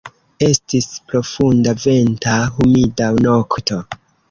Estis profunda, venta, humida nokto.